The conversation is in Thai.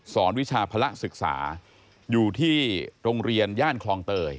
วิชาภาระศึกษาอยู่ที่โรงเรียนย่านคลองเตย